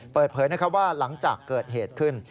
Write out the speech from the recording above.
เปิดเผยว่าหลังจากเกิดเหตุขึ้น